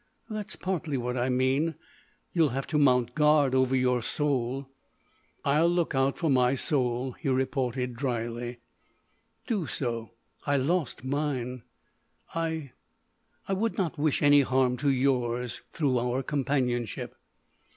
"That is partly what I mean ... you'll have to mount guard over your soul." "I'll look out for my soul," he retorted dryly. "Do so. I lost mine. I—I would not wish any harm to yours through our companionship."